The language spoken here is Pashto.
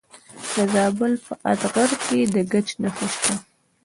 د زابل په اتغر کې د ګچ نښې شته.